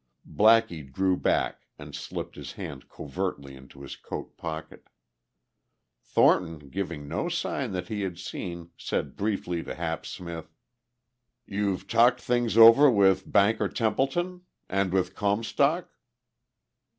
Blackie drew back and slipped his hand covertly into his coat pocket. Thornton, giving no sign that he had seen, said briefly to Hap Smith: "You've talked things over with Banker Templeton? And with Comstock?"